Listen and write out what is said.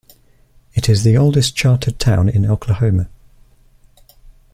It is the oldest chartered town in Oklahoma.